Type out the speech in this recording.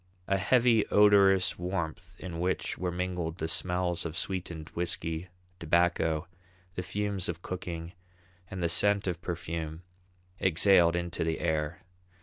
A heavy odorous warmth in which were mingled the smells of sweetened whisky, tobacco, the fumes of cooking, and the scent of perfume, exhaled into the air.